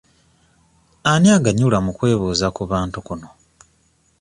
Ani aganyulwa mu kwebuuza ku bantu kuno?